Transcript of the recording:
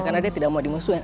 karena dia tidak mau dimusuhin